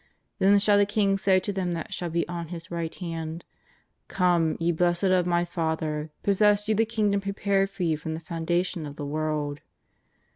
Then shall the King say to them that shall be on His right hand: Come, ye blessed of Mj Father, possess you the Kingdom prepared for you from the foundation of the world.